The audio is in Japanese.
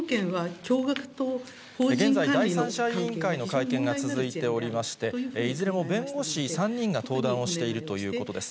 現在、第三者委員会の会見が続いておりまして、いずれも弁護士３人が登壇をしているということです。